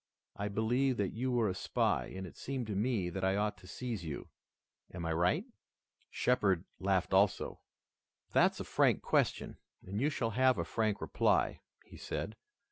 I believed that you were a spy, and it seemed to me that I ought to seize you. Am I right?" Shepard laughed also. "That's a frank question and you shall have a frank reply," he said.